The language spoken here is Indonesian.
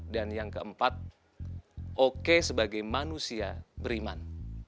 dan yang keempat oke sebagai manusia beriman